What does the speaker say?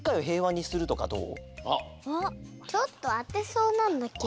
ちょっとあてそうなんだけどな。